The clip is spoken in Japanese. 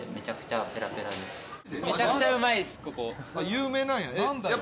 有名なんや。